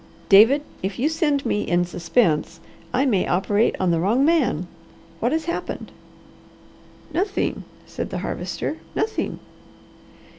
"David, if you send me in suspense, I may operate on the wrong man. What has happened?" "Nothing!" said the Harvester. "Nothing!"